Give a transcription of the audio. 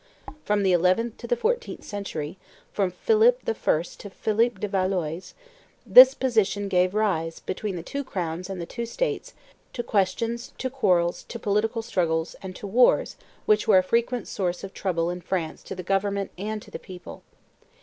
From the eleventh to the fourteenth century, from Philip I. to Philip de Valois, this position gave rise, between the two crowns and the two states, to questions, to quarrels, to political struggles, and to wars which were a frequent source of trouble in France to the government and the people.